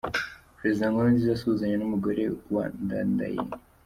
Perezida Nkurunziza asuhuzanya n’umugore wa Ndadaye.